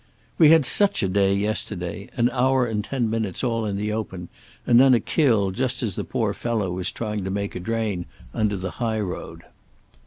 We had such a day yesterday, an hour and ten minutes all in the open, and then a kill just as the poor fellow was trying to make a drain under the high road.